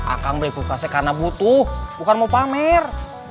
akang beli kulkasnya karena butuh bukan mau pamer